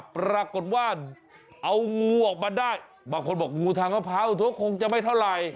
ปรากฏว่าเอางูออกมาได้บางคนบอกงูทางมะพร้าวตัวคงจะไม่เท่าไหร่